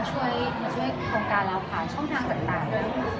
ก็มาช่วยโครงการเราผ่านช่องทางต่าง